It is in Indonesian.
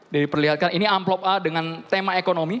diperlihatkan ini amplop a dengan tema ekonomi